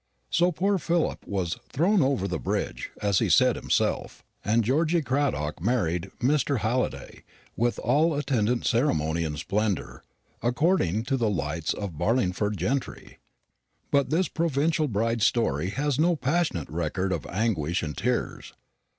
So poor Philip was "thrown over the bridge," as he said himself, and Georgy Cradock married Mr. Halliday, with all attendant ceremony and splendour, according to the "lights" of Barlingford gentry. But this provincial bride's story was no passionate record of anguish and tears.